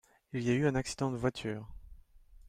Il y a eu un accident de voiture.